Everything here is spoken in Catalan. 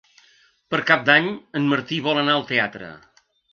Per Cap d'Any en Martí vol anar al teatre.